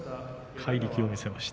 怪力を見せました。